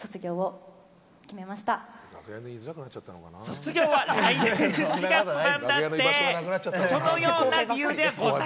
卒業は来年の４月なんだって。